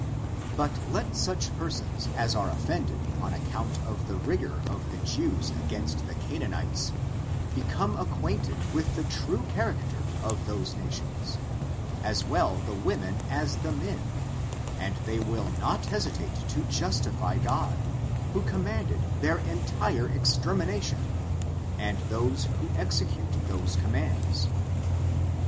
But let such persons as are oflfended on account of the rigor of the Jews against the Canaan ites, become acquainted with the true character of those nations, as well the women as the men, and they will not hesitate to justify God, who commanded their entire extermination, and those who execute those commands.